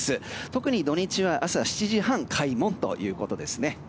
特に土日は朝７時半開門ということですね。